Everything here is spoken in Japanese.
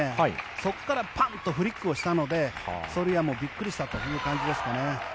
そこからパンとフリックをしたのでソルヤもびっくりしたという感じですかね。